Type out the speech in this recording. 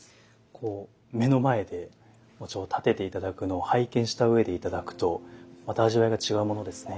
こう目の前でお茶を点てて頂くのを拝見した上でいただくとまた味わいが違うものですね。